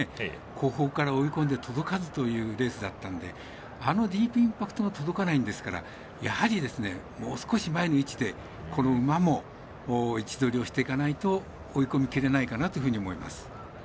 後方から追いこんで届かずというレースだったんであのディープインパクトが届かないんですからやはりもう少し前の位置でこの馬も位置取りをしていかないと追い込みきれないかなと思います。